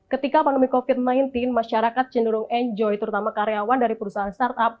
ketika pandemi covid sembilan belas masyarakat cenderung enjoy terutama karyawan dari perusahaan startup